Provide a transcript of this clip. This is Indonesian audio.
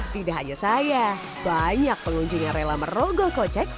tidak hanya saya banyak pengunjung yang rela merogoh kocek